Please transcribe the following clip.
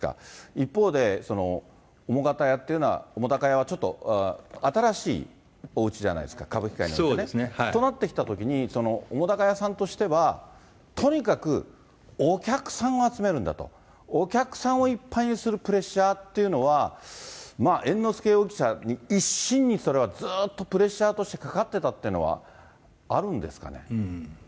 一方で、澤瀉屋ってのは、澤瀉屋はちょっと新しいおうちじゃないですか、そうですね。となってきたときに、澤瀉屋さんとしては、とにかくお客さんを集めるんだと、お客さんをいっぱいにするプレッシャーっていうのは、猿之助容疑者、一身にそれはずっとプレッシャーとしてかかってたってのはあるんですかね。